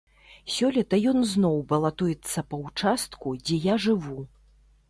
Сёлета ён зноў балатуецца па ўчастку, дзе я жыву.